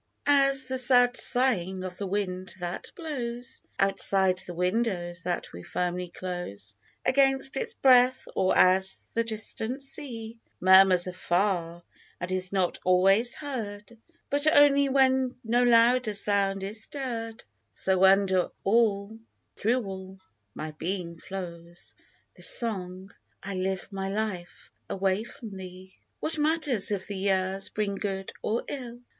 AS the sad sighing of the wind that blows Outside the windows that we firmly close Against its breath, or as the distant sea Murmurs afar, and is not always heard But only when no louder sound is stirr'd, So, under all, through all, my being flows This song, " I live my life away from thee !" What matter, if the years bring good or ill